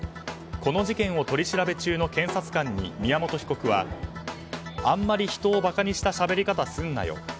この事件を取り調べ中の検察官に宮本被告はあまり人を馬鹿にしたしゃべり方すんなよ